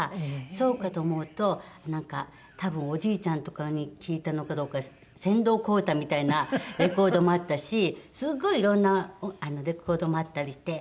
そうかと思うとなんか多分おじいちゃんとかに聴いたのかどうか『船頭小唄』みたいなレコードもあったしすごいいろんなレコードもあったりして。